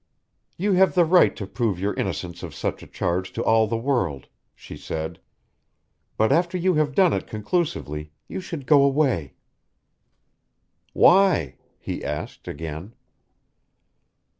"You have the right to prove your innocence of such a charge to all the world," she said. "But, after you have done it conclusively, you should go away." "Why?" he asked, again.